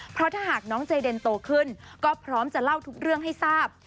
เพราะถ้าหากน้องใจเดนโตขึ้นก็พร้อมจะเล่าทุกเรื่องให้ทราบ